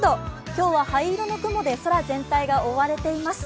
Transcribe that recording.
今日は、灰色の雲で空全体が覆われています。